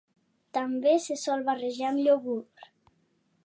També se sol barrejar amb iogurt.